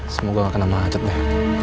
semoga gak kena macet deh